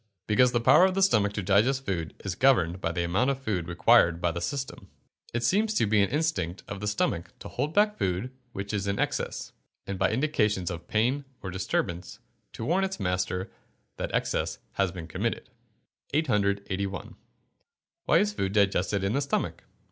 _ Because the power of the stomach to digest food is governed by the amount of food required by the system. It seems to be an instinct of the stomach to hold back food which is in excess, and by indications of pain and disturbance to warn its master that excess has been committed. 881. _Why is food digested in the stomach?